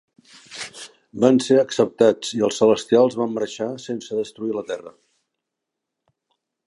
Van ser acceptats, i els Celestials van marxar sense destruir la Terra.